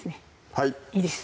はいいいです